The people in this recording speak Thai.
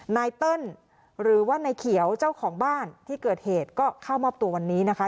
เติ้ลหรือว่านายเขียวเจ้าของบ้านที่เกิดเหตุก็เข้ามอบตัววันนี้นะคะ